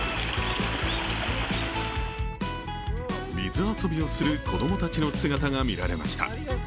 水遊びをする子供たちの姿が見られました。